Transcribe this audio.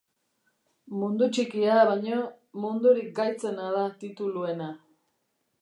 Mundu txikia baino, mundurik gaitzena da tituluena.